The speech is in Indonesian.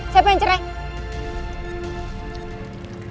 siapa yang cerai